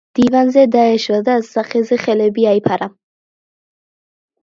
დივანზე დაეშვა და სახეზე ხელები აიფარა